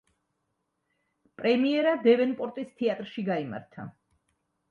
პრემიერა „დევენპორტის თეატრში“ გაიმართა.